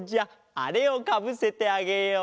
あれをかぶせてあげよう。